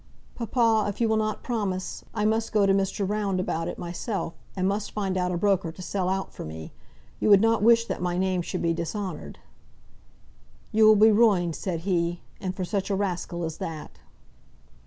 "Papa, if you will not promise, I must go to Mr. Round about it myself, and must find out a broker to sell out for me. You would not wish that my name should be dishonoured." "You will be ruined," said he, "and for such a rascal as that!"